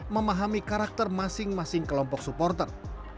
memahami karakter masing masing kelompok supporter